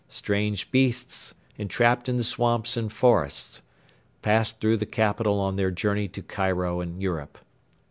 Strange beasts, entrapped in the swamps and forests, passed through the capital on their journey to Cairo and Europe.